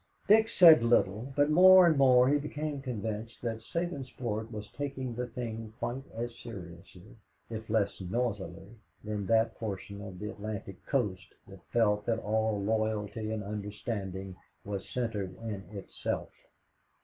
Dick said little, but more and more he became convinced that Sabinsport was taking the thing quite as seriously, if less noisily, than that portion of the Atlantic Coast that felt that all loyalty and understanding was centered in itself.